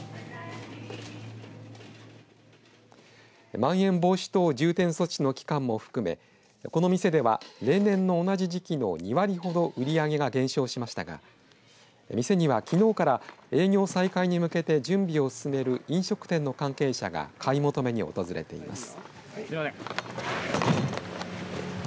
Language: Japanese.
まん延防止等重点措置の期間も含めこの店では例年の同じ時期の２割ほど売り上げが減少しましたが店には、きのうから営業再開に向けて準備を進める飲食店の関係者が買い求めに訪れています。